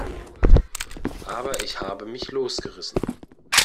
Aber ich habe mich losgerissen.